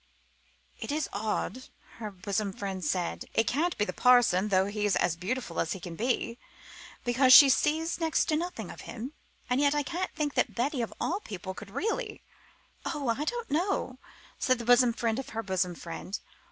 "It is odd," her bosom friend said. "It can't be the parson, though he's as beautiful as he can possibly be, because she sees next to nothing of him. And yet I can't think that Betty of all people could really " "Oh I don't know," said the bosom friend of her bosom friend.